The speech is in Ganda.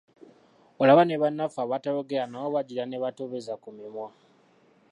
Olaba ne bannaffe abatayogera nabo bagira ne batoobeza ku mimwa.